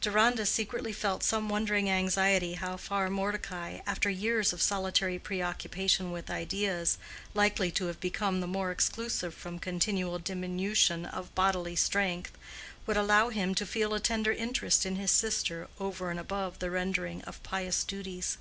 Deronda secretly felt some wondering anxiety how far Mordecai, after years of solitary preoccupation with ideas likely to have become the more exclusive from continual diminution of bodily strength, would allow him to feel a tender interest in his sister over and above the rendering of pious duties.